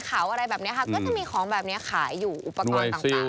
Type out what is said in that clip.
ก็จะมีของแบบนี้ขายอยู่อุปกรณ์ต่าง